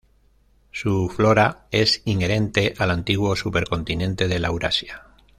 Su flora es inherente al antiguo supercontinente de Laurasia.